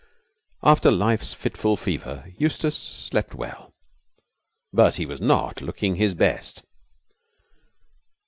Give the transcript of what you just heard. After life's fitful fever Eustace slept well, but he was not looking his best.